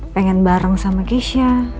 pengen bareng sama keisha